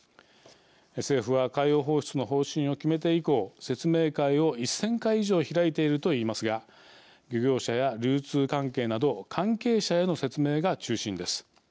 政府は海洋放出の方針を決めて以降説明会を１０００回以上開いていると言いますが漁業者や流通関係など関係者への説明が中心です。